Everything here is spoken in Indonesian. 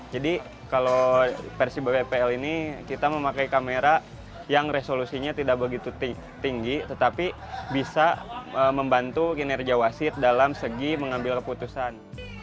jadi kalau versi bppl ini kita memakai kamera yang resolusinya tidak begitu tinggi tetapi bisa membantu kinerja wasit dalam segi mengambil keputusan